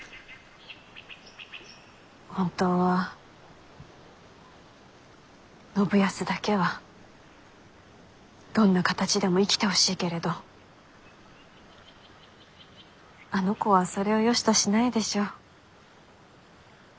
本当は信康だけはどんな形でも生きてほしいけれどあの子はそれをよしとしないでしょう。